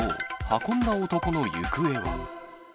運んだ男の行方は。